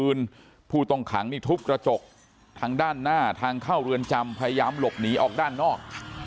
ผู้ต้องขังนี่ทุบกระจกทางด้านหน้าทางเข้าเรือนจำพยายามหลบหนีออกด้านนอก